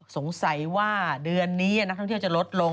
สงสัยว่าเดือนนี้นักท่องเที่ยวจะลดลง